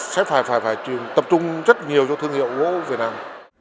sẽ phải tập trung rất nhiều cho thương hiệu gỗ việt nam